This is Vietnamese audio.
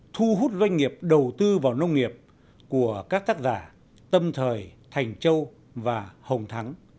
thu hút doanh nghiệp đầu tư vào nông nghiệp của các tác giả tâm thời thành châu và hồng thắng